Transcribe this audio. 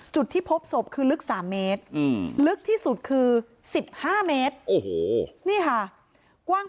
จุดที่พบศพคือลึก๓เมตรลึกที่สุดคือ๑๕เมตรโอ้โหนี่ค่ะกว้าง